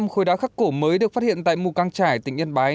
một mươi năm khối đá khắc cổ mới được phát hiện tại mù căng trải tỉnh yên bái